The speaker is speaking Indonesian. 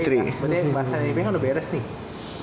berarti bahasannya udah beres nih